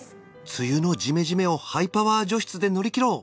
梅雨のジメジメをハイパワー除湿で乗り切ろう！